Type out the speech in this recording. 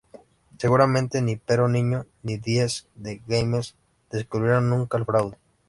Seguramente ni Pero Niño ni Díez de Games descubrieron nunca el fraude.